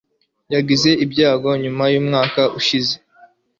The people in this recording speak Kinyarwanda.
Yagize ibyago nyuma yumwaka ushize.